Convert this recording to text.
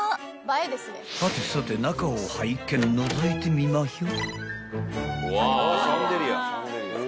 ［はてさて中を拝見のぞいてみまひょ］